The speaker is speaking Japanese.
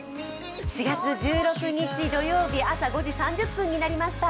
４月１６日土曜日、朝５時３０分になりました。